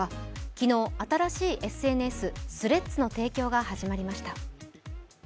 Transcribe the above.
昨日新しいＳＮＳＴｈｒｅａｄｓの提供が始まりました。